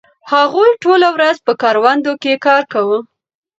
هغوی ټوله ورځ په کروندو کې کار کاوه.